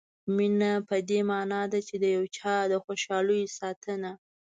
مینه په دې معنا ده چې د یو چا د خوشالیو ساتنه.